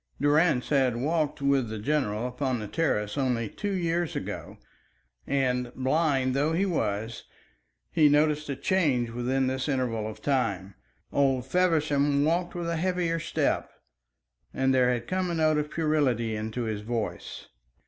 Durrance had walked with the general upon his terrace only two years ago, and blind though he was, he noticed a change within this interval of time. Old Feversham walked with a heavier step, and there had come a note of puerility into his voice.